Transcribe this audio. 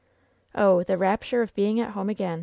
"Oh ! the rapture of being at home again